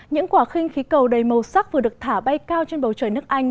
những quả khinh khí cầu đầy màu sắc vừa được thả bay cao trên bầu trời nước anh